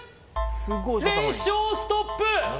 連勝ストップ！